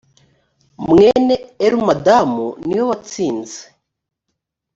mwene elumadamu niwe watsinze.